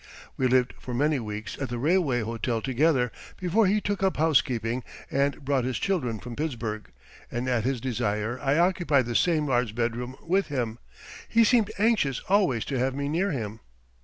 We lived for many weeks at the railway hotel together before he took up housekeeping and brought his children from Pittsburgh, and at his desire I occupied the same large bedroom with him. He seemed anxious always to have me near him.